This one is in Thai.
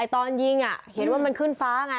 ตอนยิงเห็นว่ามันขึ้นฟ้าไง